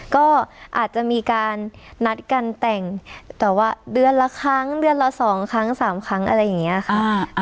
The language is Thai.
ก็อาจจะมีการนัดกันแต่งแต่ว่าเดือนละครั้งเดือนละ๒ครั้ง๓ครั้งอะไรอย่างนี้ค่ะ